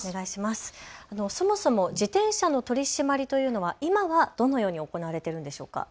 そもそも自転車の取締りというのは今はどのように行われているんでしょうか。